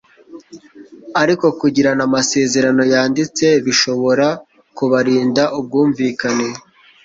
ariko kugirana amasezerano yanditse bishobora kubarinda ubwumvikane